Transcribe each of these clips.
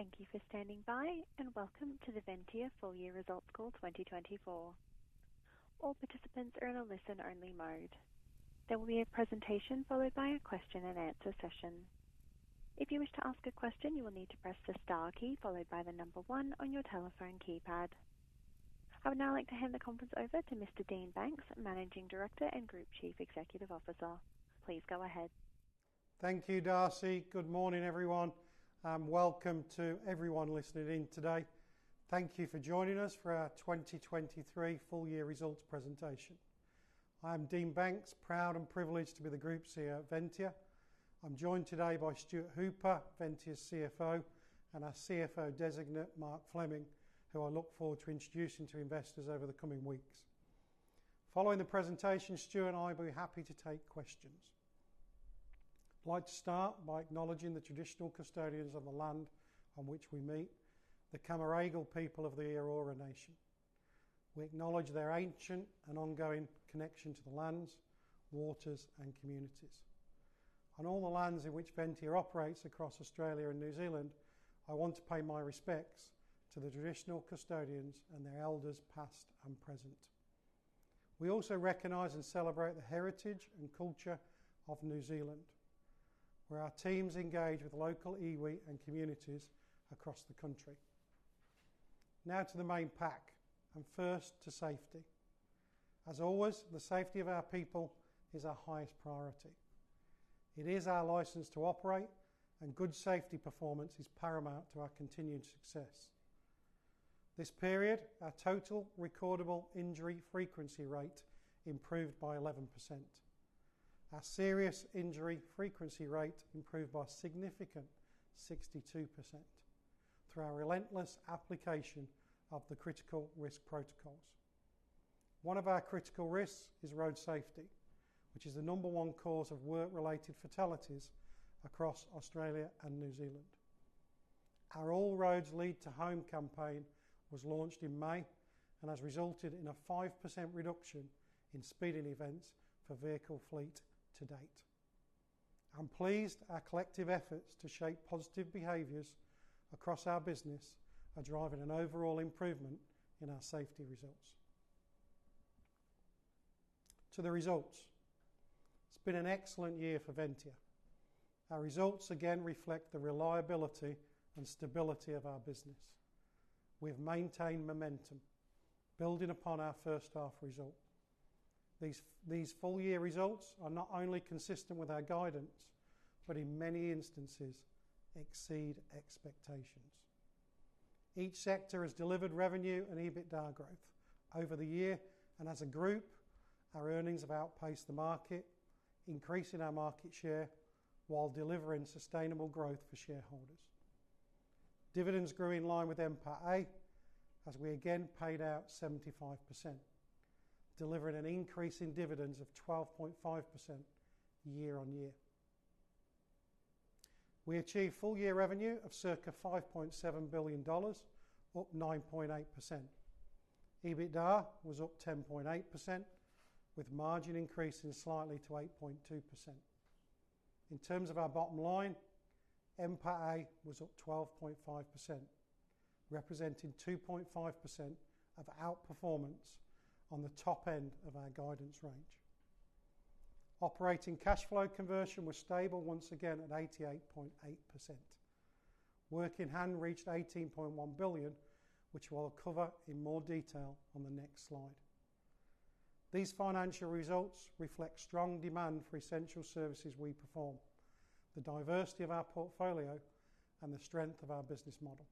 Thank you for standing by, and welcome to the Ventia Full Year Results Call 2024. All participants are in a listen-only mode. There will be a presentation followed by a question-and-answer session. If you wish to ask a question, you will need to press the star key followed by the number one on your telephone keypad. I would now like to hand the conference over to Mr. Dean Banks, Managing Director and Group Chief Executive Officer. Please go ahead. Thank you, Darcy. Good morning, everyone, and welcome to everyone listening in today. Thank you for joining us for our 2023 full year results presentation. I am Dean Banks, proud and privileged to be the group's Ventia. I'm joined today by Stuart Hooper, Ventia's CFO, and our CFO designate, Mark Fleming, who I look forward to introducing to investors over the coming weeks. Following the presentation, Stuart and I will be happy to take questions. I'd like to start by acknowledging the traditional custodians of the land on which we meet, the Cammeraygal people of the Eora Nation. We acknowledge their ancient and ongoing connection to the lands, waters, and communities. On all the lands in which Ventia operates across Australia and New Zealand, I want to pay my respects to the traditional custodians and their elders past and present. We also recognize and celebrate the heritage and culture of New Zealand, where our teams engage with local iwi and communities across the country. Now to the main pack, and first to safety. As always, the safety of our people is our highest priority. It is our license to operate, and good safety performance is paramount to our continued success. This period, our total recordable injury frequency rate improved by 11%. Our serious injury frequency rate improved by a significant 62% through our relentless application of the critical risk protocols. One of our critical risks is road safety, which is the number one cause of work-related fatalities across Australia and New Zealand. Our All Roads Lead to Home campaign was launched in May and has resulted in a 5% reduction in speeding events for vehicle fleet-to-date. I'm pleased our collective efforts to shape positive behaviors across our business are driving an overall improvement in our safety results. To the results. It's been an excellent year for Ventia. Our results again reflect the reliability and stability of our business. We've maintained momentum, building upon our first-half result. These full year results are not only consistent with our guidance, but in many instances, exceed expectations. Each sector has delivered revenue and EBITDA growth over the year, and as a group, our earnings have outpaced the market, increasing our market share while delivering sustainable growth for shareholders. Dividends grew in line with NPATA as we again paid out 75%, delivering an increase in dividends of 12.5% year-over-year. We achieved full year revenue of circa 5.7 billion dollars, up 9.8%. EBITDA was up 10.8%, with margin increasing slightly to 8.2%. In terms of our bottom line, NPATA was up 12.5%, representing 2.5% of outperformance on the top end of our guidance range. Operating cash flow conversion was stable once again at 88.8%. Work in hand reached 18.1 billion, which I'll cover in more detail on the next slide. These financial results reflect strong demand for essential services we perform, the diversity of our portfolio, and the strength of our business model.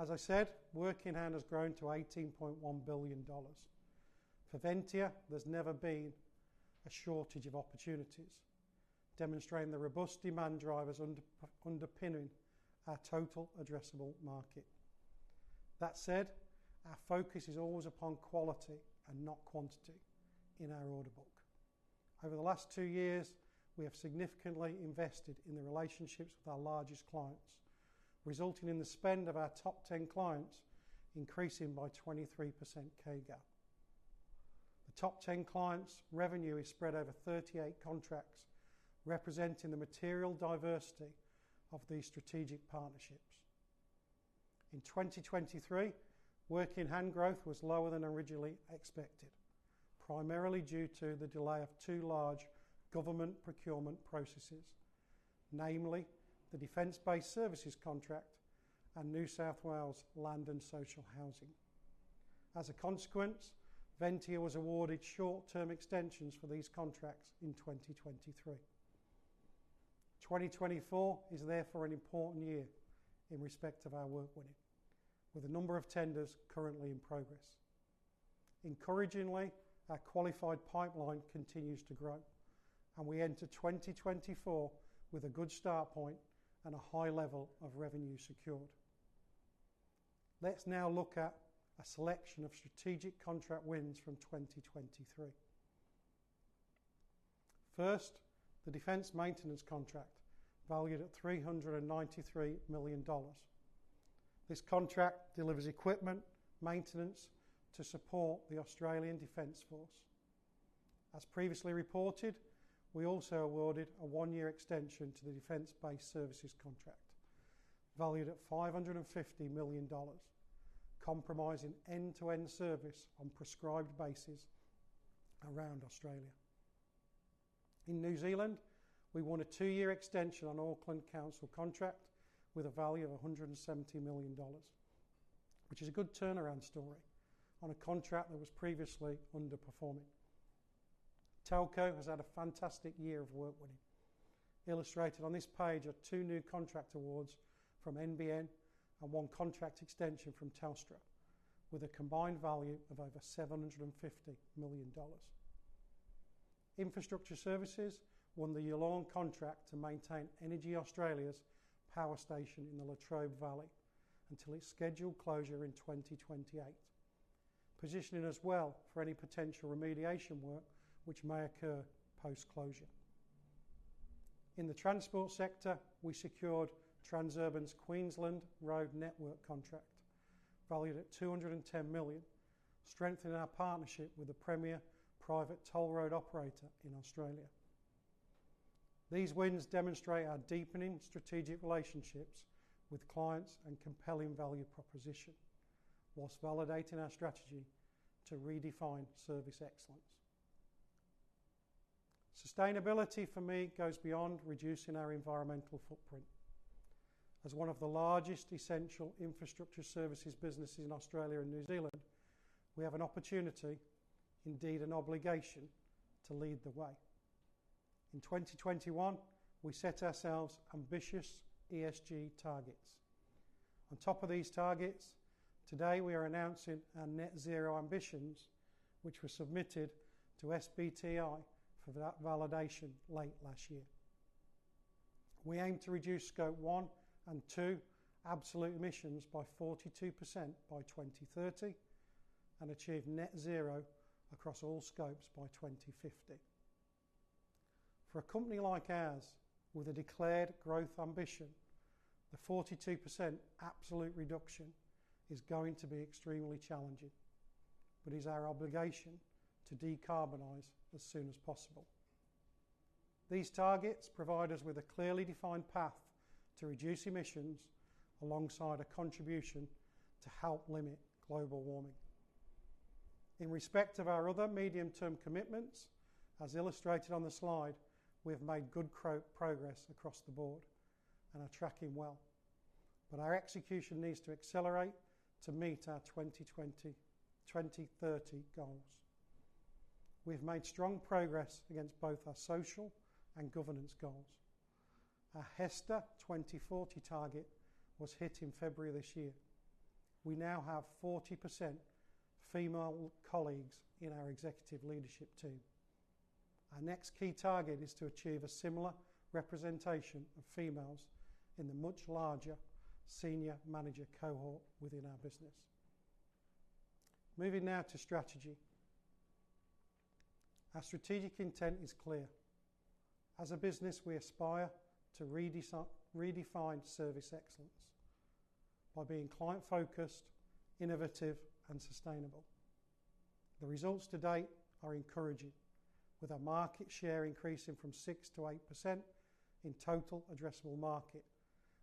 As I said, work in hand has grown to 18.1 billion dollars. For Ventia, there's never been a shortage of opportunities, demonstrating the robust demand drivers underpinning our total addressable market. That said, our focus is always upon quality and not quantity in our order book. Over the last two years, we have significantly invested in the relationships with our largest clients, resulting in the spend of our top 10 clients increasing by 23% CAGR. The top 10 clients' revenue is spread over 38 contracts, representing the material diversity of these strategic partnerships. In 2023, work in hand growth was lower than originally expected, primarily due to the delay of 2 large government procurement processes, namely the Defence Base Services contract and New South Wales land and social housing. As a consequence, Ventia was awarded short-term extensions for these contracts in 2023. 2024 is therefore an important year in respect of our work win, with a number of tenders currently in progress. Encouragingly, our qualified pipeline continues to grow, and we enter 2024 with a good start point and a high level of revenue secured. Let's now look at a selection of strategic contract wins from 2023. First, the Defence maintenance contract valued at 393 million dollars. This contract delivers equipment maintenance to support the Australian Defence Force. As previously reported, we also awarded a one-year extension to the Defence Base Services contract valued at 550 million dollars, comprising end-to-end service on prescribed basis around Australia. In New Zealand, we won a two-year extension on Auckland Council contract with a value of 170 million dollars, which is a good turnaround story on a contract that was previously underperforming. Telco has had a fantastic year of work win. Illustrated on this page are two new contract awards from NBN and one contract extension from Telstra, with a combined value of over 750 million dollars. Infrastructure services won the year-long contract to maintain EnergyAustralia's power station in the Latrobe Valley until its scheduled closure in 2028, positioning us well for any potential remediation work which may occur post-closure. In the transport sector, we secured Transurban's Queensland Road Network contract valued at 210 million, strengthening our partnership with a premier private toll road operator in Australia. These wins demonstrate our deepening strategic relationships with clients and compelling value proposition while validating our strategy to redefine service excellence. Sustainability, for me, goes beyond reducing our environmental footprint. As one of the largest essential infrastructure services businesses in Australia and New Zealand, we have an opportunity, indeed an obligation, to lead the way. In 2021, we set ourselves ambitious ESG targets. On top of these targets, today we are announcing our Net Zero ambitions, which were submitted to SBTi for validation late last year. We aim to reduce Scope 1 and 2 absolute emissions by 42% by 2030 and achieve Net Zero across all scopes by 2050. For a company like ours with a declared growth ambition, the 42% absolute reduction is going to be extremely challenging, but it is our obligation to decarbonize as soon as possible. These targets provide us with a clearly defined path to reduce emissions alongside a contribution to help limit global warming. In respect of our other medium-term commitments, as illustrated on the slide, we have made good progress across the board and are tracking well, but our execution needs to accelerate to meet our 2030 goals. We've made strong progress against both our social and governance goals. Our HESTA 2040 target was hit in February this year. We now have 40% female colleagues in our executive leadership team. Our next key target is to achieve a similar representation of females in the much larger senior manager cohort within our business. Moving now to strategy. Our strategic intent is clear. As a business, we aspire to redefine service excellence by being client-focused, innovative, and sustainable. The results to date are encouraging, with our market share increasing from 6%-8% in total addressable market,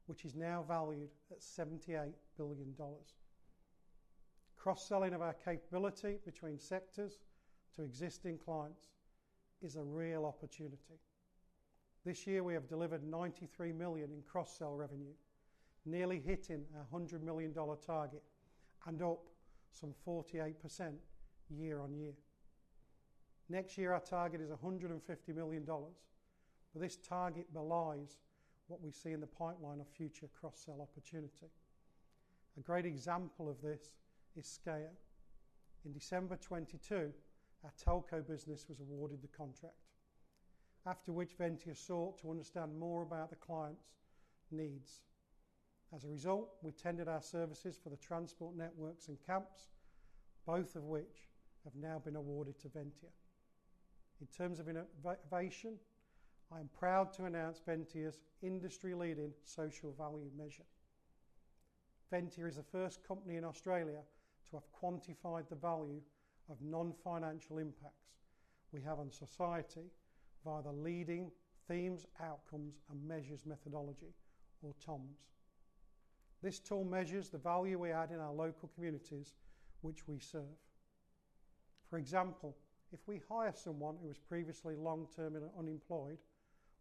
which is now valued at 78 billion dollars. Cross-selling of our capability between sectors to existing clients is a real opportunity. This year, we have delivered 93 million in cross-sell revenue, nearly hitting our 100 million dollar target and up some 48% year-over-year. Next year, our target is 150 million dollars, but this target belies what we see in the pipeline of future cross-sell opportunity. A great example of this is SKA. In December 2022, our telco business was awarded the contract, after which Ventia sought to understand more about the clients' needs. As a result, we tendered our services for the transport networks and camps, both of which have now been awarded to Ventia. In terms of innovation, I am proud to announce Ventia's industry-leading social value measure. Ventia is the first company in Australia to have quantified the value of non-financial impacts we have on society via the Leading Themes, Outcomes, and Measures methodology, or TOMs. This tool measures the value we add in our local communities which we serve. For example, if we hire someone who is previously long-term unemployed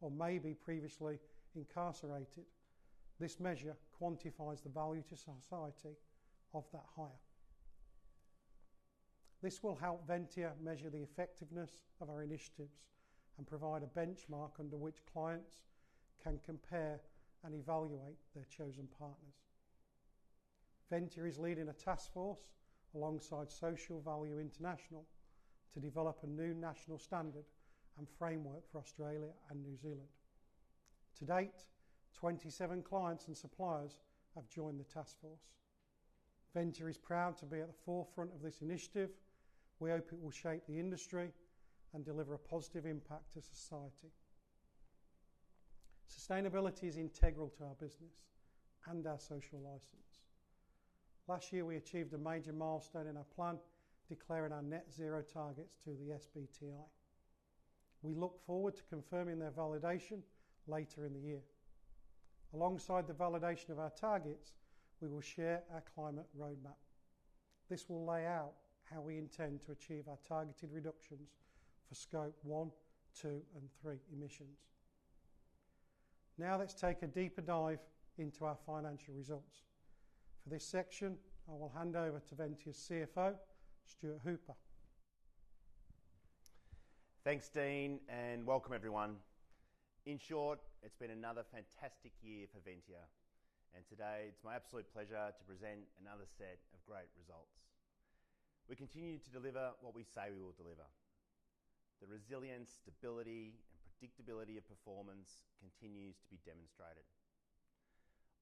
or maybe previously incarcerated, this measure quantifies the value to society of that hire. This will help Ventia measure the effectiveness of our initiatives and provide a benchmark under which clients can compare and evaluate their chosen partners. Ventia is leading a task force alongside Social Value International to develop a new national standard and framework for Australia and New Zealand. To date, 27 clients and suppliers have joined the task force. Ventia is proud to be at the forefront of this initiative. We hope it will shape the industry and deliver a positive impact to society. Sustainability is integral to our business and our social license. Last year, we achieved a major milestone in our plan, declaring our net zero targets to the SBTi. We look forward to confirming their validation later in the year. Alongside the validation of our targets, we will share our climate roadmap. This will lay out how we intend to achieve our targeted reductions for scope one, two, and three emissions. Now let's take a deeper dive into our financial results. For this section, I will hand over to Ventia's CFO, Stuart Hooper. Thanks, Dean, and welcome, everyone. In short, it's been another fantastic year for Ventia, and today it's my absolute pleasure to present another set of great results. We continue to deliver what we say we will deliver. The resilience, stability, and predictability of performance continues to be demonstrated.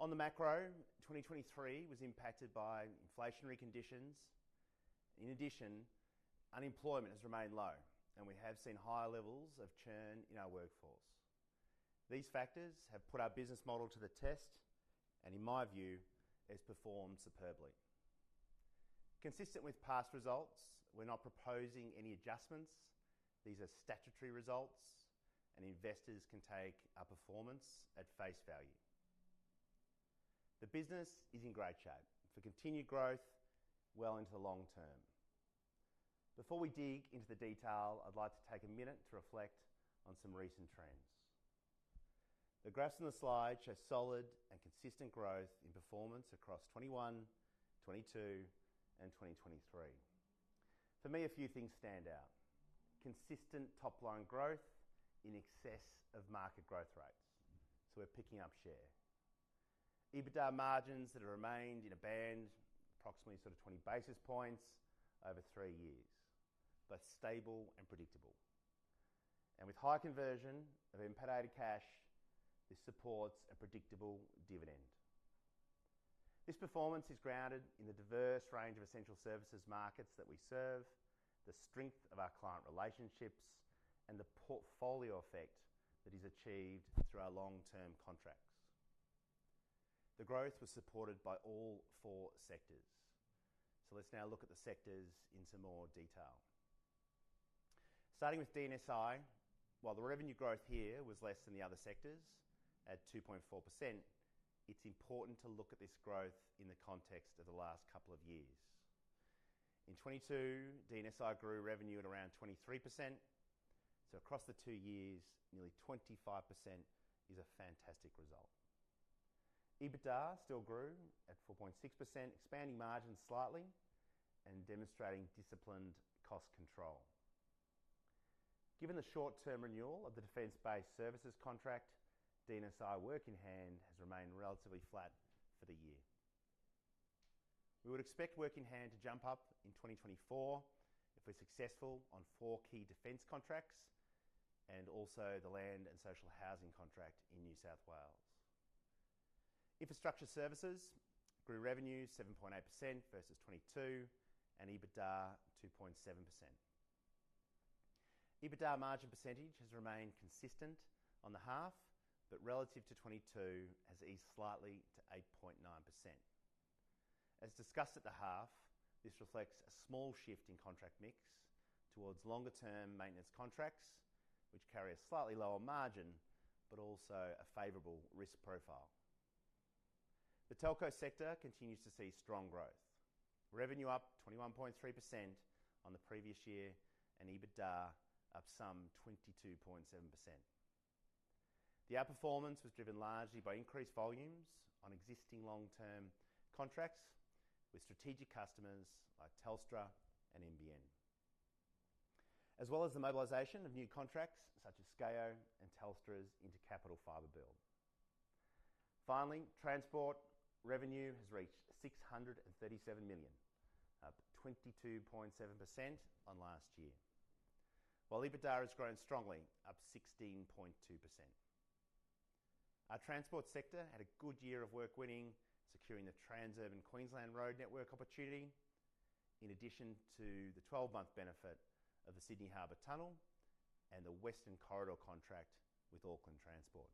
On the macro, 2023 was impacted by inflationary conditions. In addition, unemployment has remained low, and we have seen higher levels of churn in our workforce. These factors have put our business model to the test and, in my view, has performed superbly. Consistent with past results, we're not proposing any adjustments. These are statutory results, and investors can take our performance at face value. The business is in great shape for continued growth well into the long term. Before we dig into the detail, I'd like to take a minute to reflect on some recent trends. The graphs on the slide show solid and consistent growth in performance across 2021, 2022, and 2023. For me, a few things stand out: consistent top-line growth in excess of market growth rates, so we're picking up share; EBITDA margins that have remained in a band, approximately sort of 20 basis points over three years, both stable and predictable; and with high conversion of MPA to cash, this supports a predictable dividend. This performance is grounded in the diverse range of essential services markets that we serve, the strength of our client relationships, and the portfolio effect that is achieved through our long-term contracts. The growth was supported by all four sectors, so let's now look at the sectors in some more detail. Starting with D&SI, while the revenue growth here was less than the other sectors at 2.4%, it's important to look at this growth in the context of the last couple of years. In 2022, D&SI grew revenue at around 23%, so across the two years, nearly 25% is a fantastic result. EBITDA still grew at 4.6%, expanding margins slightly and demonstrating disciplined cost control. Given the short-term renewal of the defense-based services contract, D&SI work in hand has remained relatively flat for the year. We would expect work in hand to jump up in 2024 if we're successful on four key defense contracts and also the land and social housing contract in New South Wales. Infrastructure services grew revenue 7.8% versus 2022 and EBITDA 2.7%. EBITDA margin percentage has remained consistent on the half, but relative to 2022 has eased slightly to 8.9%. As discussed at the half, this reflects a small shift in contract mix towards longer-term maintenance contracts, which carry a slightly lower margin but also a favorable risk profile. The telco sector continues to see strong growth, revenue up 21.3% on the previous year and EBITDA up some 22.7%. The outperformance was driven largely by increased volumes on existing long-term contracts with strategic customers like Telstra and NBN, as well as the mobilisation of new contracts such as SCAYA and Telstra's InterCapital Fibre Build. Finally, transport revenue has reached 637 million, up 22.7% on last year, while EBITDA has grown strongly, up 16.2%. Our transport sector had a good year of work win, securing the Transurban Queensland Road Network opportunity, in addition to the 12-month benefit of the Sydney Harbour Tunnel and the Western Corridor contract with Auckland Transport.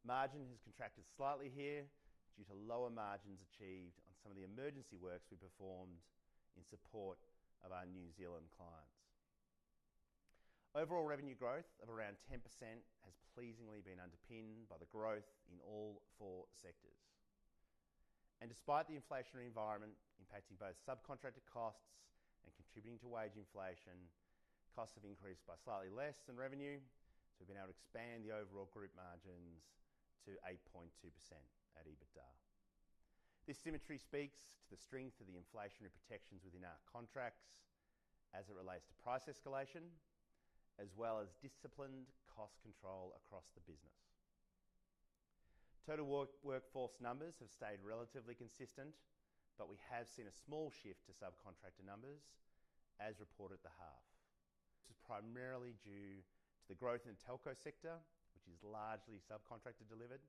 Margin has contracted slightly here due to lower margins achieved on some of the emergency works we performed in support of our New Zealand clients. Overall revenue growth of around 10% has pleasingly been underpinned by the growth in all four sectors. Despite the inflationary environment impacting both subcontractor costs and contributing to wage inflation, costs have increased by slightly less than revenue, so we've been able to expand the overall group margins to 8.2% at EBITDA. This symmetry speaks to the strength of the inflationary protections within our contracts as it relates to price escalation, as well as disciplined cost control across the business. Total workforce numbers have stayed relatively consistent, but we have seen a small shift to subcontractor numbers as reported at the half. This is primarily due to the growth in the telco sector, which is largely subcontractor delivered,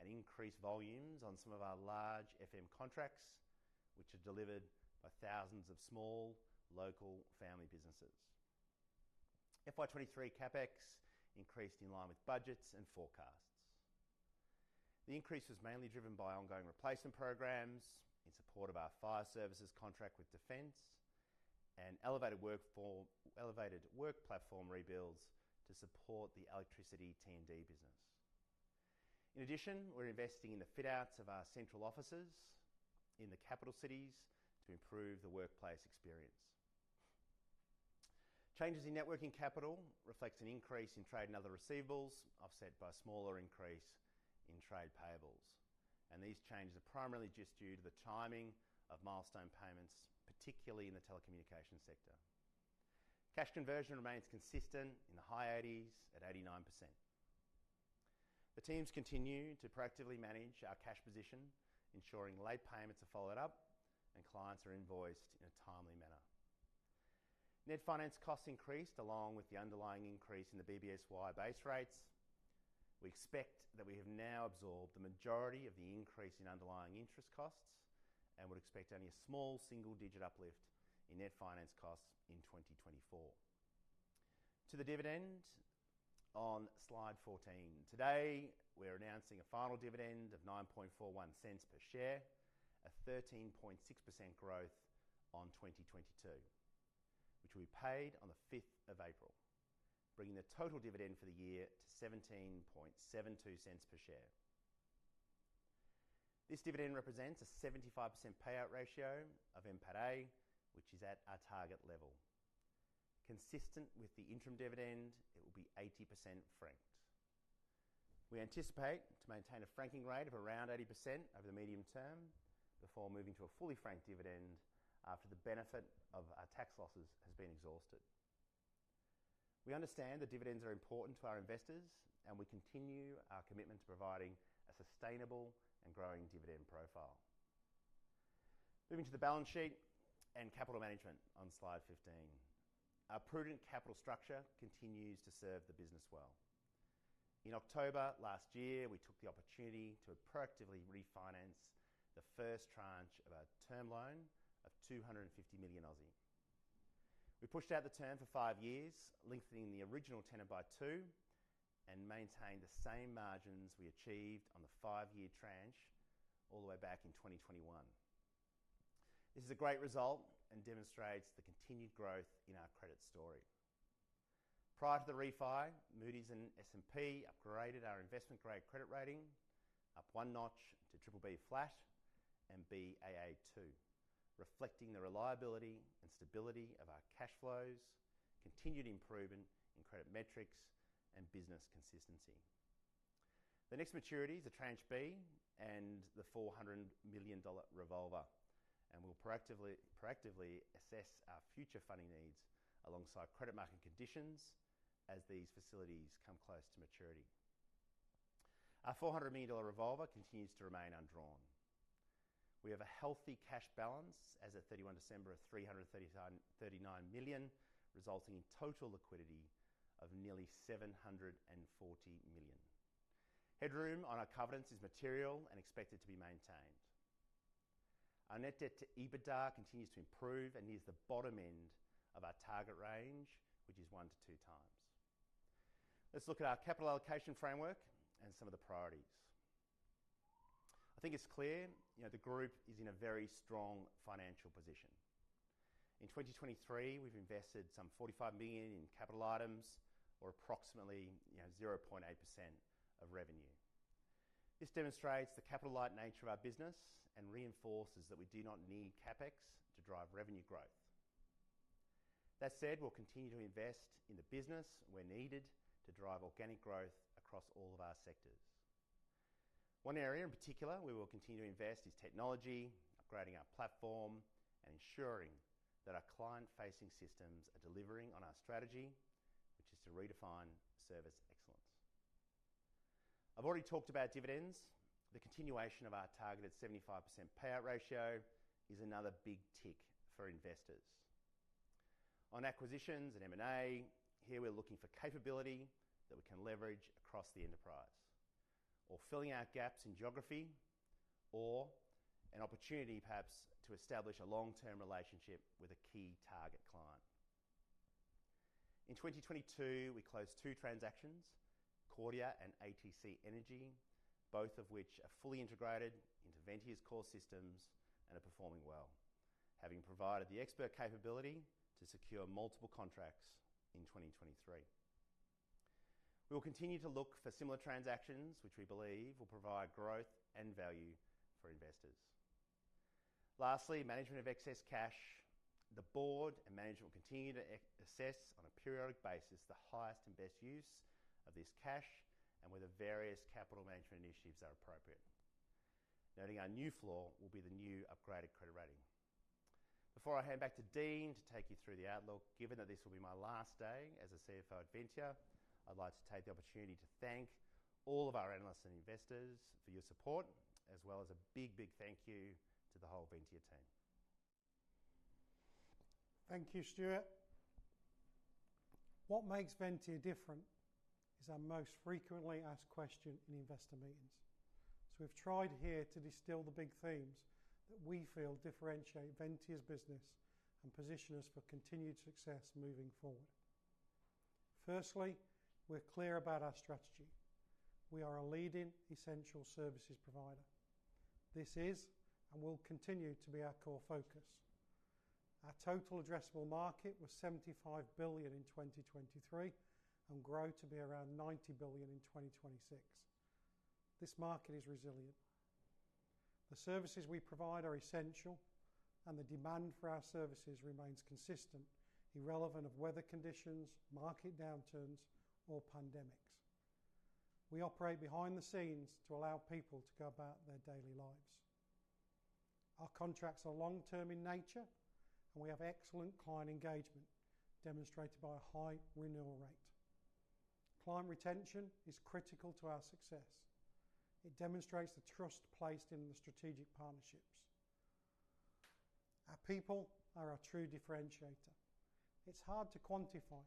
and increased volumes on some of our large FM contracts, which are delivered by thousands of small local family businesses. FY2023 CapEx increased in line with budgets and forecasts. The increase was mainly driven by ongoing replacement programs in support of our fire services contract with defense and elevated work platform rebuilds to support the electricity T&D business. In addition, we're investing in the fit-outs of our central offices in the capital cities to improve the workplace experience. Changes in net working capital reflect an increase in trade and other receivables offset by a smaller increase in trade payables, and these changes are primarily just due to the timing of milestone payments, particularly in the telecommunications sector. Cash conversion remains consistent in the high 80s at 89%. The teams continue to proactively manage our cash position, ensuring late payments are followed up and clients are invoiced in a timely manner. Net finance costs increased along with the underlying increase in the BBSY base rates. We expect that we have now absorbed the majority of the increase in underlying interest costs and would expect only a small single-digit uplift in net finance costs in 2024. To the dividend on slide 14, today we're announcing a final dividend of 0.0941 per share, a 13.6% growth on 2022, which will be paid on the 5th of April, bringing the total dividend for the year to 0.1772 per share. This dividend represents a 75% payout ratio of NPAT-A cash, which is at our target level. Consistent with the interim dividend, it will be 80% franked. We anticipate to maintain a franking rate of around 80% over the medium term before moving to a fully franked dividend after the benefit of our tax losses has been exhausted. We understand that dividends are important to our investors, and we continue our commitment to providing a sustainable and growing dividend profile. Moving to the balance sheet and capital management on slide 15, our prudent capital structure continues to serve the business well. In October last year, we took the opportunity to proactively refinance the first tranche of our term loan of 250 million. We pushed out the term for five years, lengthening the original tenor by two, and maintained the same margins we achieved on the five-year tranche all the way back in 2021. This is a great result and demonstrates the continued growth in our credit story. Prior to the refi, Moody's and S&P upgraded our investment-grade credit rating, up one notch to BBB flat and Baa2, reflecting the reliability and stability of our cash flows, continued improvement in credit metrics, and business consistency. The next maturity is the tranche B and the 400 million dollar revolver, and we'll proactively assess our future funding needs alongside credit market conditions as these facilities come close to maturity. Our 400 million dollar revolver continues to remain undrawn. We have a healthy cash balance as of 31 December of 339 million, resulting in total liquidity of nearly 740 million. Headroom on our covenants is material and expected to be maintained. Our net debt to EBITDA continues to improve and near the bottom end of our target range, which is 1x-2x. Let's look at our capital allocation framework and some of the priorities. I think it's clear the group is in a very strong financial position. In 2023, we've invested some 45 million in capital items, or approximately 0.8% of revenue. This demonstrates the capital-light nature of our business and reinforces that we do not need CapEx to drive revenue growth. That said, we'll continue to invest in the business where needed to drive organic growth across all of our sectors. One area in particular we will continue to invest is technology, upgrading our platform and ensuring that our client-facing systems are delivering on our strategy, which is to redefine service excellence. I've already talked about dividends. The continuation of our targeted 75% payout ratio is another big tick for investors. On acquisitions and M&A, here we're looking for capability that we can leverage across the enterprise, or filling out gaps in geography, or an opportunity, perhaps, to establish a long-term relationship with a key target client. In 2022, we closed two transactions, Kordia and ATC Energy, both of which are fully integrated into Ventia's core systems and are performing well, having provided the expert capability to secure multiple contracts in 2023. We will continue to look for similar transactions, which we believe will provide growth and value for investors. Lastly, management of excess cash. The board and management will continue to assess on a periodic basis the highest and best use of this cash and whether various capital management initiatives are appropriate. Noting our new floor will be the new upgraded credit rating. Before I hand back to Dean to take you through the outlook, given that this will be my last day as a CFO at Ventia, I'd like to take the opportunity to thank all of our analysts and investors for your support, as well as a big, big thank you to the whole Ventia team. Thank you, Stuart. What makes Ventia different is our most frequently asked question in investor meetings. So we've tried here to distill the big themes that we feel differentiate Ventia's business and position us for continued success moving forward. Firstly, we're clear about our strategy. We are a leading essential services provider. This is and will continue to be our core focus. Our total addressable market was 75 billion in 2023 and grow to be around 90 billion in 2026. This market is resilient. The services we provide are essential, and the demand for our services remains consistent, irrelevant of weather conditions, market downturns, or pandemics. We operate behind the scenes to allow people to go about their daily lives. Our contracts are long-term in nature, and we have excellent client engagement demonstrated by a high renewal rate. Client retention is critical to our success. It demonstrates the trust placed in the strategic partnerships. Our people are our true differentiator. It's hard to quantify,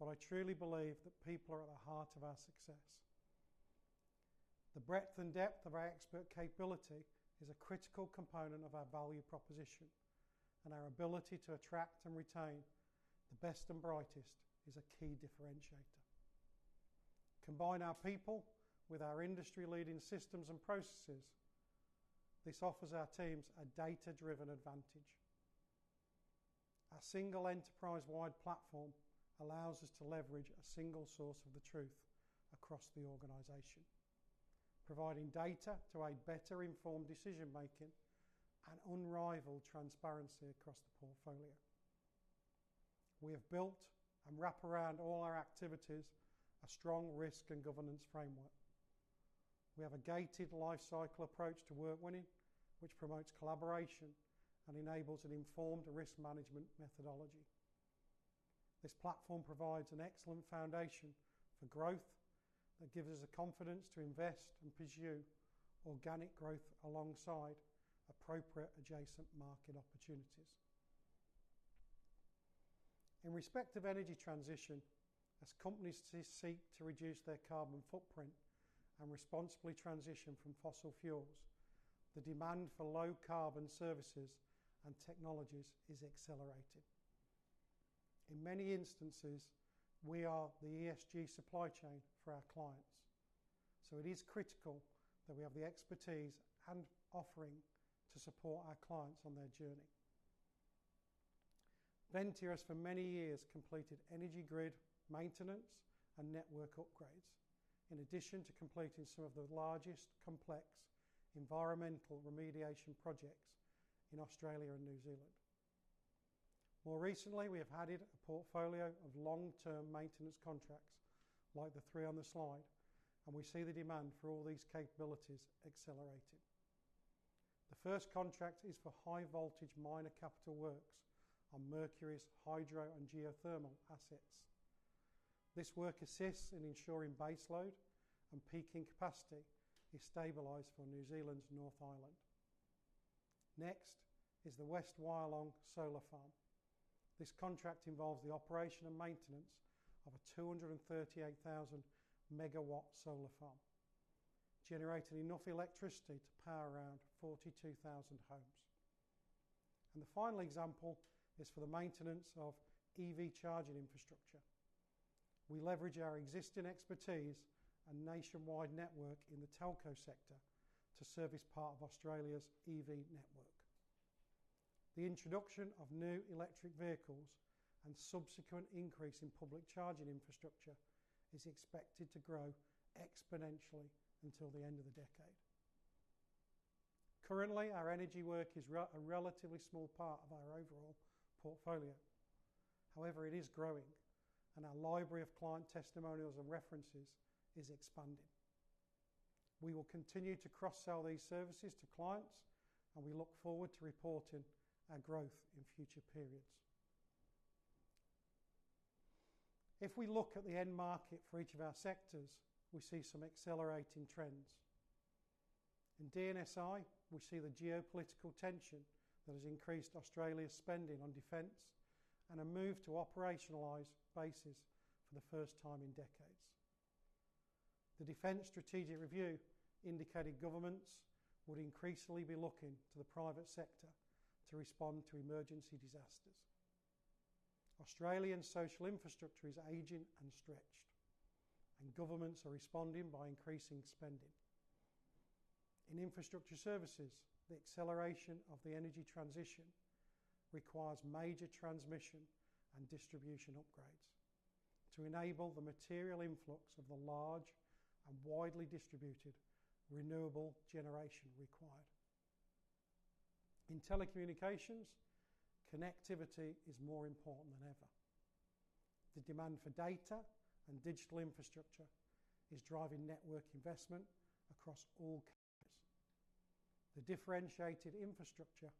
but I truly believe that people are at the heart of our success. The breadth and depth of our expert capability is a critical component of our value proposition, and our ability to attract and retain the best and brightest is a key differentiator. Combine our people with our industry-leading systems and processes. This offers our teams a data-driven advantage. Our single enterprise-wide platform allows us to leverage a single source of the truth across the organization, providing data to aid better informed decision-making and unrivaled transparency across the portfolio. We have built and wrap around all our activities a strong risk and governance framework. We have a gated lifecycle approach to work win, which promotes collaboration and enables an informed risk management methodology. This platform provides an excellent foundation for growth that gives us the confidence to invest and pursue organic growth alongside appropriate adjacent market opportunities. In respect of energy transition, as companies seek to reduce their carbon footprint and responsibly transition from fossil fuels, the demand for low-carbon services and technologies is accelerated. In many instances, we are the ESG supply chain for our clients, so it is critical that we have the expertise and offering to support our clients on their journey. Ventia has, for many years, completed energy grid maintenance and network upgrades, in addition to completing some of the largest complex environmental remediation projects in Australia and New Zealand. More recently, we have added a portfolio of long-term maintenance contracts like the three on the slide, and we see the demand for all these capabilities accelerating. The first contract is for high-voltage minor capital works on Mercury's hydro and geothermal assets. This work assists in ensuring base load and peaking capacity is stabilized for New Zealand's North Island. Next is the West Wyalong Solar Farm. This contract involves the operation and maintenance of a 238,000 MW solar farm, generating enough electricity to power around 42,000 homes. And the final example is for the maintenance of EV charging infrastructure. We leverage our existing expertise and nationwide network in the telco sector to service part of Australia's EV network. The introduction of new electric vehicles and subsequent increase in public charging infrastructure is expected to grow exponentially until the end of the decade. Currently, our energy work is a relatively small part of our overall portfolio. However, it is growing, and our library of client testimonials and references is expanding. We will continue to cross-sell these services to clients, and we look forward to reporting our growth in future periods. If we look at the end market for each of our sectors, we see some accelerating trends. In D&SI, we see the geopolitical tension that has increased Australia's spending on defense and a move to operationalize bases for the first time in decades. The Defence Strategic Review indicated governments would increasingly be looking to the private sector to respond to emergency disasters. Australian social infrastructure is aging and stretched, and governments are responding by increasing spending. In infrastructure services, the acceleration of the energy transition requires major transmission and distribution upgrades to enable the material influx of the large and widely distributed renewable generation required. In telecommunications, connectivity is more important than ever. The demand for data and digital infrastructure is driving network investment across all carriers. The differentiated infrastructure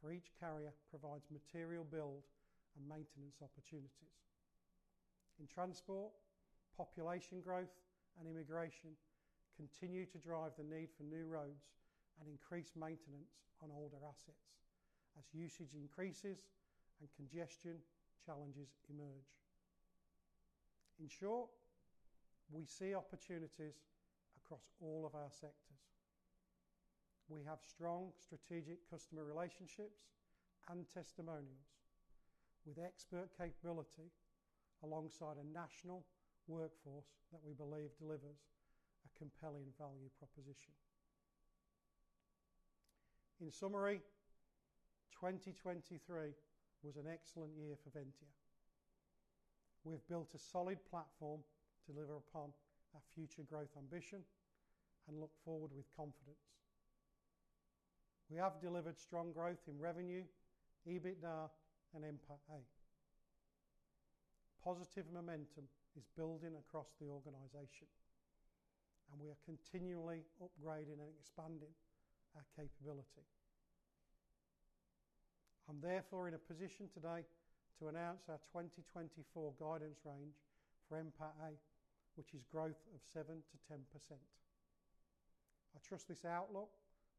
for each carrier provides material build and maintenance opportunities. In transport, population growth and immigration continue to drive the need for new roads and increase maintenance on older assets as usage increases and congestion challenges emerge. In short, we see opportunities across all of our sectors. We have strong strategic customer relationships and testimonials with expert capability alongside a national workforce that we believe delivers a compelling value proposition. In summary, 2023 was an excellent year for Ventia. We've built a solid platform to deliver upon our future growth ambition and look forward with confidence. We have delivered strong growth in revenue, EBITDA, and MPA. Positive momentum is building across the organization, and we are continually upgrading and expanding our capability. I'm therefore in a position today to announce our 2024 guidance range for MPA, which is growth of 7%-10%. I trust this outlook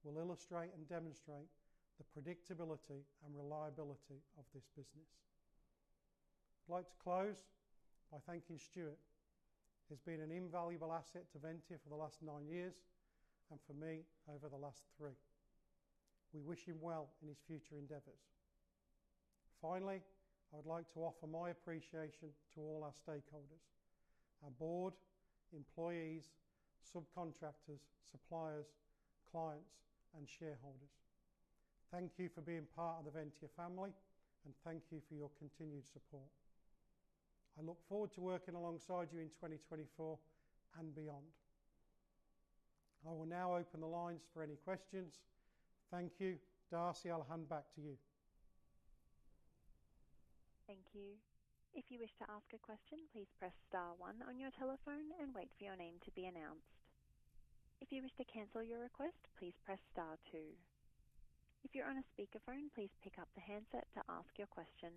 will illustrate and demonstrate the predictability and reliability of this business. I'd like to close by thanking Stuart. He's been an invaluable asset to Ventia for the last nine years and for me over the last three. We wish him well in his future endeavors. Finally, I would like to offer my appreciation to all our stakeholders: our board, employees, subcontractors, suppliers, clients, and shareholders. Thank you for being part of the Ventia family, and thank you for your continued support. I look forward to working alongside you in 2024 and beyond. I will now open the lines for any questions. Thank you, Darcy. I'll hand back to you. Thank you. If you wish to ask a question, please press star one on your telephone and wait for your name to be announced. If you wish to cancel your request, please press star two. If you're on a speakerphone, please pick up the handset to ask your question.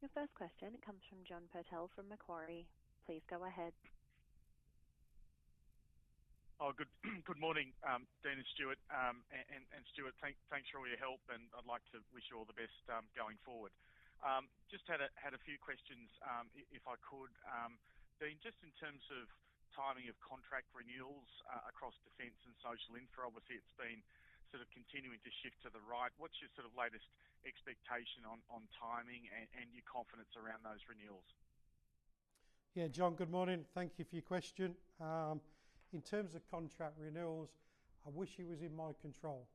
Your first question comes from John Patel from Macquarie. Please go ahead. Good morning, Dean and Stuart. And Stuart, thanks for all your help, and I'd like to wish you all the best going forward. Just had a few questions, if I could. Dean, just in terms of timing of contract renewals across defense and social infra, obviously it's been sort of continuing to shift to the right. What's your sort of latest expectation on timing and your confidence around those renewals? Yeah, John, good morning. Thank you for your question. In terms of contract renewals, I wish it was in my control.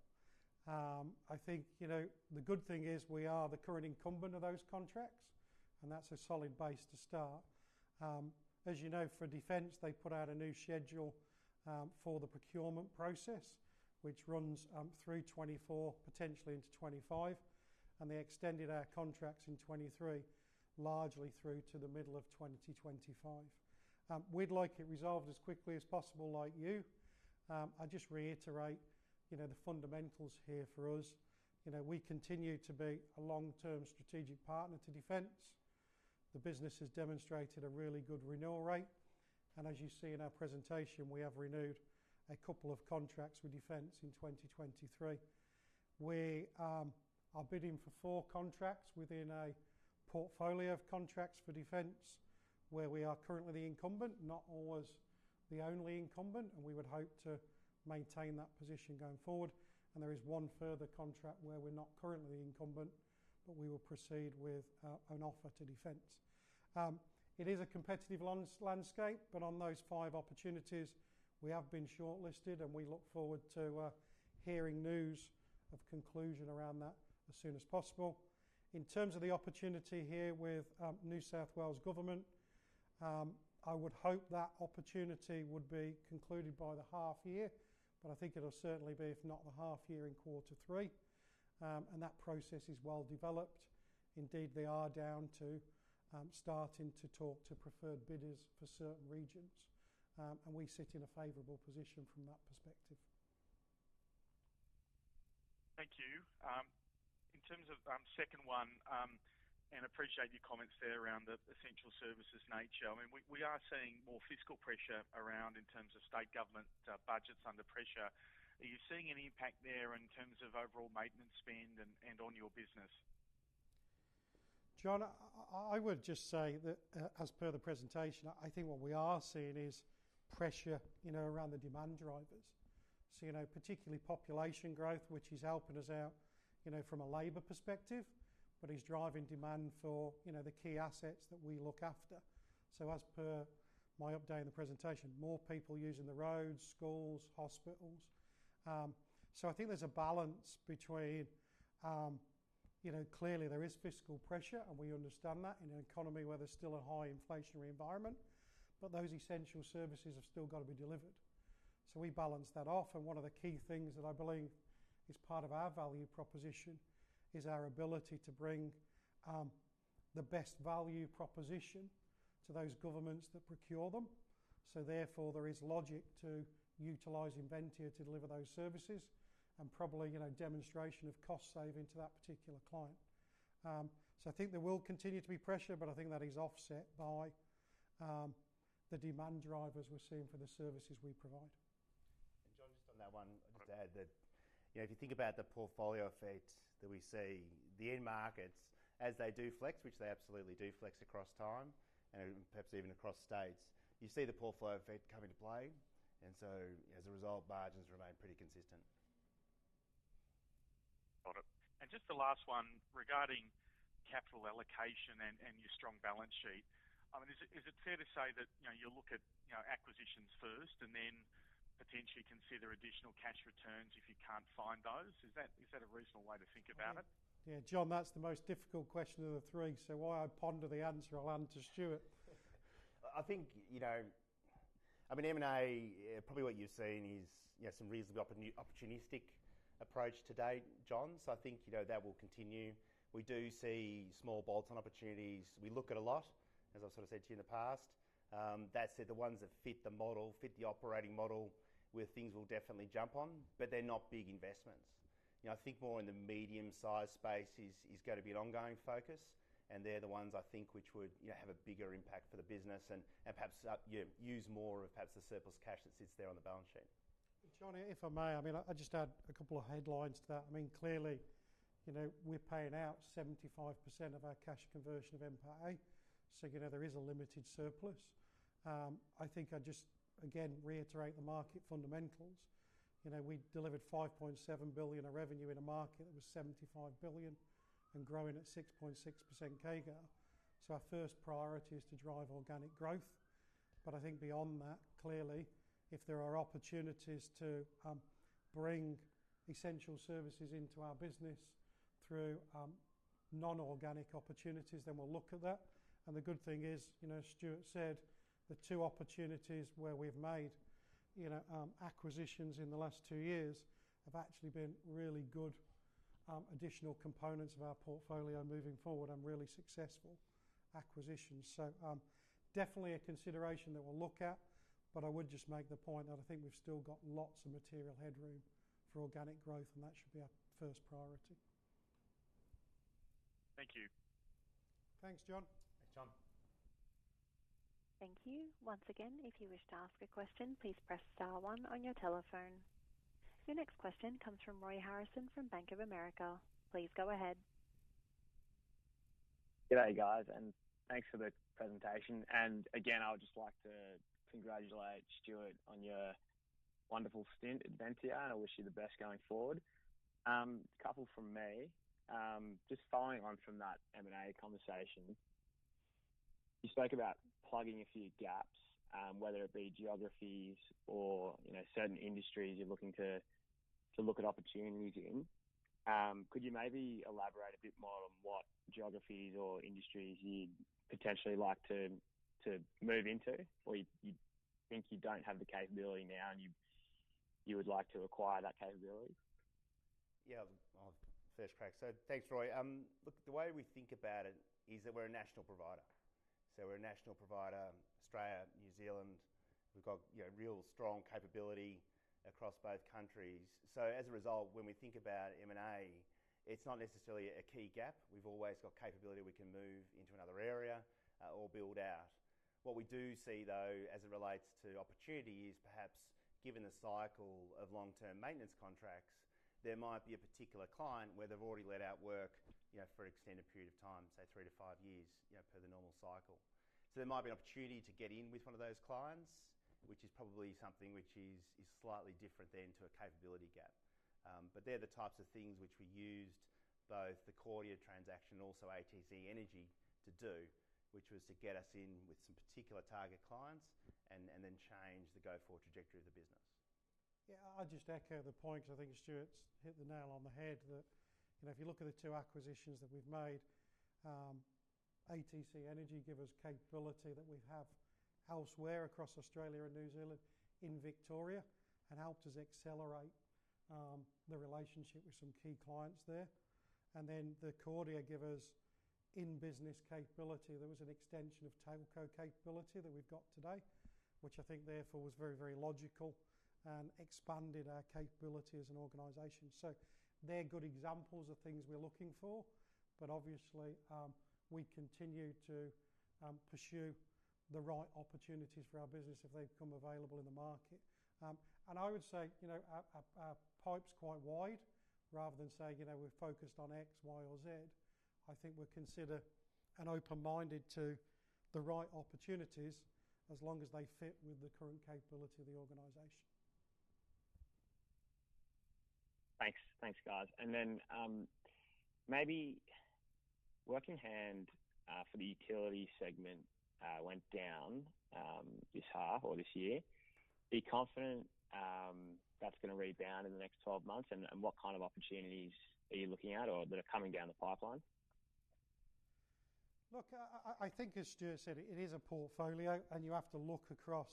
I think the good thing is we are the current incumbent of those contracts, and that's a solid base to start. As you know, for defense, they put out a new schedule for the procurement process, which runs through 2024, potentially into 2025, and they extended our contracts in 2023 largely through to the middle of 2025. We'd like it resolved as quickly as possible, like you. I just reiterate the fundamentals here for us. We continue to be a long-term strategic partner to defense. The business has demonstrated a really good renewal rate, and as you see in our presentation, we have renewed a couple of contracts with defense in 2023. We are bidding for four contracts within a portfolio of contracts for defense where we are currently the incumbent, not always the only incumbent, and we would hope to maintain that position going forward. There is one further contract where we're not currently the incumbent, but we will proceed with an offer to defense. It is a competitive landscape, but on those five opportunities, we have been shortlisted, and we look forward to hearing news of conclusion around that as soon as possible. In terms of the opportunity here with New South Wales Government, I would hope that opportunity would be concluded by the half year, but I think it'll certainly be, if not the half year, in quarter three. That process is well developed. Indeed, they are down to starting to talk to preferred bidders for certain regions, and we sit in a favorable position from that perspective. Thank you. In terms of second one, and appreciate your comments there around the essential services nature, I mean, we are seeing more fiscal pressure around in terms of state government budgets under pressure. Are you seeing any impact there in terms of overall maintenance spend and on your business? John, I would just say that as per the presentation, I think what we are seeing is pressure around the demand drivers. So particularly population growth, which is helping us out from a labor perspective, but is driving demand for the key assets that we look after. So as per my update in the presentation, more people using the roads, schools, hospitals. So I think there's a balance between, clearly, there is fiscal pressure, and we understand that in an economy where there's still a high inflationary environment, but those essential services have still got to be delivered. So we balance that off. And one of the key things that I believe is part of our value proposition is our ability to bring the best value proposition to those governments that procure them. Therefore, there is logic to utilize Ventia to deliver those services and probably demonstration of cost saving to that particular client. I think there will continue to be pressure, but I think that is offset by the demand drivers we're seeing for the services we provide. John, just on that one, I'd just add that if you think about the portfolio effect that we see, the end markets, as they do flex, which they absolutely do flex across time and perhaps even across states, you see the portfolio effect coming to play. As a result, margins remain pretty consistent. Got it. And just the last one regarding capital allocation and your strong balance sheet. I mean, is it fair to say that you look at acquisitions first and then potentially consider additional cash returns if you can't find those? Is that a reasonable way to think about it? Yeah, John, that's the most difficult question of the three. So while I ponder the answer, I'll answer Stuart. I think, I mean, M&A, probably what you've seen is some reasonably opportunistic approach to date, John. So I think that will continue. We do see small bolt-on opportunities. We look at a lot, as I've sort of said to you in the past. That said, the ones that fit the model, fit the operating model, where things will definitely jump on, but they're not big investments. I think more in the medium-sized space is going to be an ongoing focus, and they're the ones, I think, which would have a bigger impact for the business and perhaps use more of perhaps the surplus cash that sits there on the balance sheet. John, if I may, I mean, I just add a couple of headlines to that. I mean, clearly, we're paying out 75% of our cash conversion of MPA, so there is a limited surplus. I think I'd just, again, reiterate the market fundamentals. We delivered 5.7 billion of revenue in a market that was 75 billion and growing at 6.6% CAGR. So our first priority is to drive organic growth. But I think beyond that, clearly, if there are opportunities to bring essential services into our business through non-organic opportunities, then we'll look at that. And the good thing is, as Stuart said, the two opportunities where we've made acquisitions in the last two years have actually been really good additional components of our portfolio moving forward and really successful acquisitions. Definitely a consideration that we'll look at, but I would just make the point that I think we've still got lots of material headroom for organic growth, and that should be our first priority. Thank you. Thanks, John. Thanks, John. Thank you. Once again, if you wish to ask a question, please press star one on your telephone. Your next question comes from Roy Harrison from Bank of America. Please go ahead. G'day, guys, and thanks for the presentation. Again, I would just like to congratulate Stuart on your wonderful stint at Ventia, and I wish you the best going forward. A couple from me, just following on from that M&A conversation, you spoke about plugging a few gaps, whether it be geographies or certain industries you're looking to look at opportunities in. Could you maybe elaborate a bit more on what geographies or industries you'd potentially like to move into or you think you don't have the capability now and you would like to acquire that capability? Yeah, I'll first crack. So thanks, Roy. Look, the way we think about it is that we're a national provider. So we're a national provider, Australia, New Zealand. We've got real strong capability across both countries. So as a result, when we think about M&A, it's not necessarily a key gap. We've always got capability. We can move into another area or build out. What we do see, though, as it relates to opportunity is perhaps given the cycle of long-term maintenance contracts, there might be a particular client where they've already let out work for an extended period of time, say three to five years per the normal cycle. So there might be an opportunity to get in with one of those clients, which is probably something which is slightly different than to a capability gap. But they're the types of things which we used, both the Kordia transaction and also ATC Energy, to do, which was to get us in with some particular target clients and then change the go-forward trajectory of the business. Yeah, I'll just echo the points. I think Stuart's hit the nail on the head that if you look at the two acquisitions that we've made, ATC Energy gave us capability that we have elsewhere across Australia and New Zealand in Victoria and helped us accelerate the relationship with some key clients there. And then the Cordia gave us in-business capability. There was an extension of telco capability that we've got today, which I think therefore was very, very logical and expanded our capability as an organization. So they're good examples of things we're looking for, but obviously, we continue to pursue the right opportunities for our business if they become available in the market. And I would say our pipe's quite wide. Rather than say we're focused on X, Y, or Z, I think we're considered open-minded to the right opportunities as long as they fit with the current capability of the organization. Thanks, guys. And then maybe working hand for the utility segment went down this half or this year. Are you confident that's going to rebound in the next 12 months, and what kind of opportunities are you looking at or that are coming down the pipeline? Look, I think, as Stuart said, it is a portfolio, and you have to look across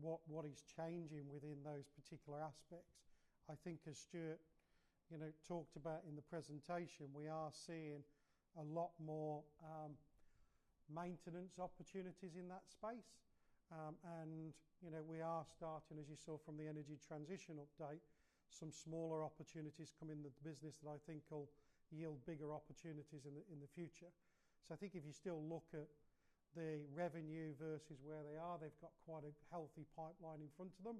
what is changing within those particular aspects. I think, as Stuart talked about in the presentation, we are seeing a lot more maintenance opportunities in that space. We are starting, as you saw from the energy transition update, some smaller opportunities come in the business that I think will yield bigger opportunities in the future. I think if you still look at the revenue versus where they are, they've got quite a healthy pipeline in front of them,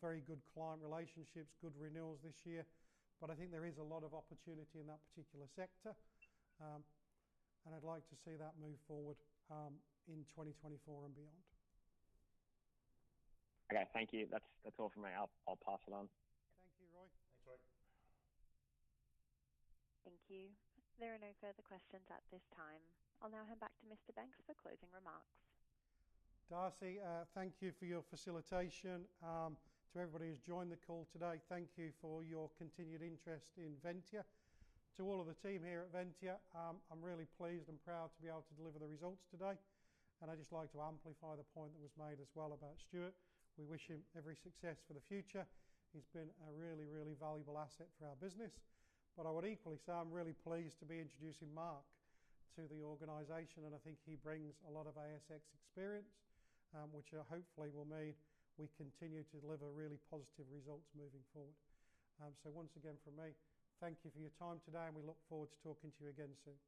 very good client relationships, good renewals this year. But I think there is a lot of opportunity in that particular sector, and I'd like to see that move forward in 2024 and beyond. Okay, thank you. That's all from me. I'll pass it on. Thank you, Roy. Thanks, Roy. Thank you. There are no further questions at this time. I'll now hand back to Mr. Banks for closing remarks. Darcy, thank you for your facilitation. To everybody who's joined the call today, thank you for your continued interest in Ventia. To all of the team here at Ventia, I'm really pleased and proud to be able to deliver the results today. I'd just like to amplify the point that was made as well about Stuart. We wish him every success for the future. He's been a really, really valuable asset for our business. I would equally say I'm really pleased to be introducing Mark to the organization, and I think he brings a lot of ASX experience, which hopefully will mean we continue to deliver really positive results moving forward. Once again from me, thank you for your time today, and we look forward to talking to you again soon.